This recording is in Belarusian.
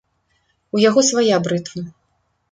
У яго свая брытва.